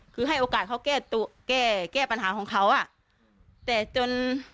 คือให้โอกาสเขาแก้ปัญหาของเขาแต่จน